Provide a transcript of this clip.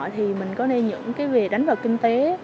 thì mình có nên những việc đánh vợ kinh tế